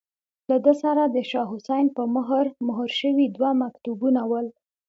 له ده سره د شاه حسين په مهر، مهر شوي دوه مکتوبونه ول.